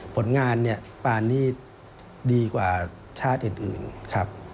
ผลงานปาร์นนี่ดีกว่าชาติอื่นครับ